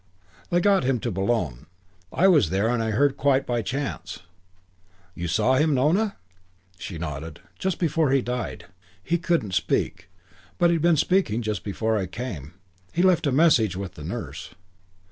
They got him to Boulogne. I was there and I heard quite by chance." "You saw him, Nona?" She nodded. "Just before he died. He couldn't speak. But he'd been speaking just before I came. He left a message with the nurse."